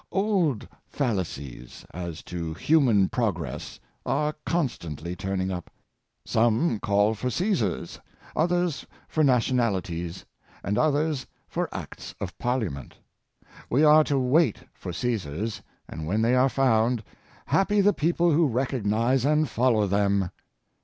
Old fallacies as to human progress are constantly turning up. Some call for Caesars, others for nationali ties, and others for acts of Parliament. We are to wait for Caesars, and when they are found, " happy the people who recognize and follow them."